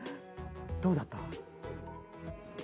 どうだった？